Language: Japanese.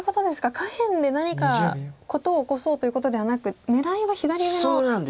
下辺で何か事を起こそうということではなく狙いは左上の出切りですか。